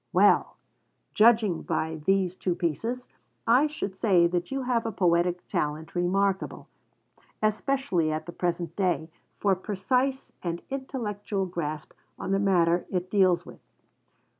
Well! judging by these two pieces, I should say that you have a poetic talent remarkable, especially at the present day, for precise and intellectual grasp on the matter it deals with.